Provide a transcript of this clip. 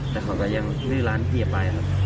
แต่เขาก็ยังลื้อล้านทีจะไป